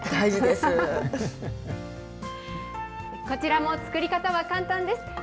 こちらも作り方は簡単です。